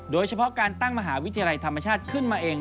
โดยเฉพาะการตั้งมหาวิทยาลัยธรรมชาติขึ้นมาเอง